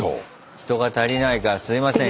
人が足りないからすいません